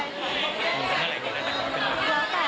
เมื่อไหร่ก็เลือกวันที่ดี